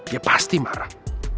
dia pasti marah